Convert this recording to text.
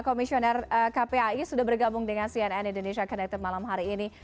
komisioner kpai sudah bergabung dengan cnn indonesia connected malam hari ini